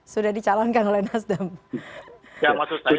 sudah dicalonkan oleh nasden